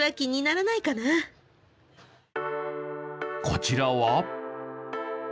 こちらは。